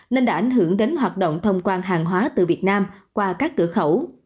nên đã ảnh hưởng đến hoạt động thông quan hàng hóa từ việt nam qua các cửa khẩu